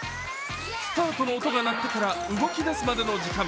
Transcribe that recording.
スタートの音が鳴ってから動き出すまでの時間。